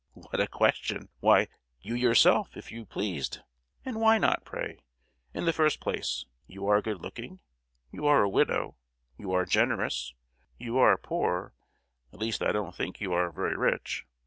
"What a question! Why, you yourself, if you pleased! and why not, pray? In the first place, you are good looking, you are a widow, you are generous, you are poor (at least I don't think you are very rich).